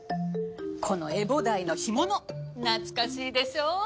このエボダイの干物懐かしいでしょう？